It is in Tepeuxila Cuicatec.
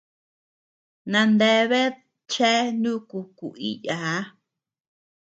Nandeabead chea nuku kuiiyaa.